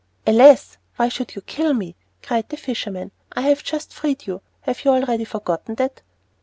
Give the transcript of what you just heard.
"Alas! why should you kill me?" cried the fisherman. "I have just freed you; have you already forgotten that?"